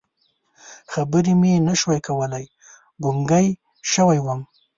خبرې مې نه شوې کولی، ګونګی شوی وم.